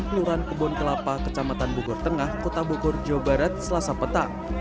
kelurahan kebon kelapa kecamatan bogor tengah kota bogor jawa barat selasa petang